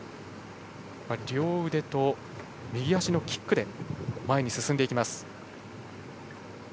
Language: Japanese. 両腕と右足のキックで前に進みます。